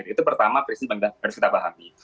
itu pertama prinsip yang harus kita pahami